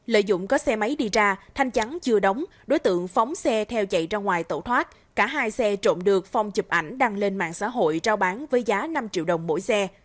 lợi dụng có xe máy đi ra thanh chắn chưa đóng đối tượng phóng xe theo chạy ra ngoài tẩu thoát cả hai xe trộm được phong chụp ảnh đăng lên mạng xã hội trao bán với giá năm triệu đồng mỗi xe